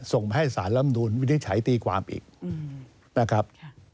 ส่งไปให้สารลำนูนวินิจฉัยตีความอีกนะครับ